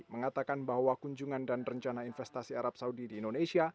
mengatakan bahwa kunjungan dan rencana investasi arab saudi di indonesia